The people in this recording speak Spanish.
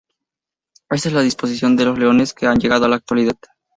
Esta es la disposición de los leones que ha llegado a la actualidad.